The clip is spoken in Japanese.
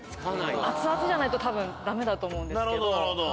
熱々じゃないと多分ダメだと思うんですけど。